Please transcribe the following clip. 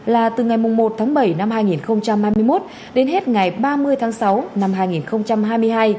là từ ngày một tháng bảy năm hai nghìn hai mươi một đến hết ngày ba mươi tháng sáu năm hai nghìn hai mươi hai